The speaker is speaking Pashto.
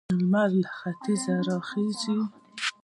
لمر له ختیځه راخيژي.